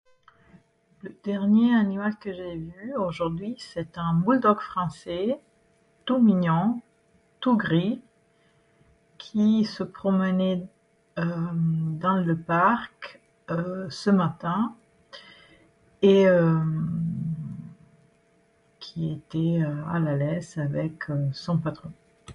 Le dernier animal que j'ai vu aujourd’hui c'est un bouledogue français, tout mignon, tout gris, qui se promenait, euh, dans le parc, euh, ce matin et euh, qui était, euh, à la laisse avec son patron.